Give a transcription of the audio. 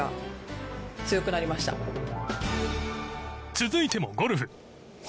続いてもゴルフ。